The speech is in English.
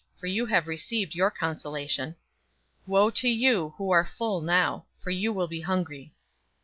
For you have received your consolation. 006:025 Woe to you, you who are full now, for you will be hungry.